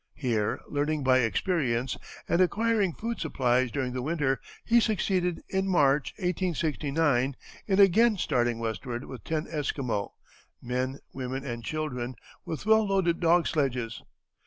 Here, learning by experience, and acquiring food supplies during the winter, he succeeded, in March, 1869, in again starting westward with ten Esquimaux men, women, and children with well loaded dog sledges.